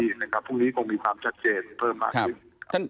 พรุ่งนี้คงมีความชัดเจนเพิ่มมากขึ้นครับ